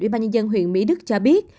ủy ban nhân dân huyện mỹ đức cho biết